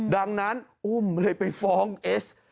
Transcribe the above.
ดังนั้นอุ้มเลยไปฟ้องเอส